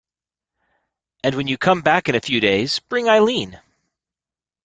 And when you come back in a few days, bring Eileen.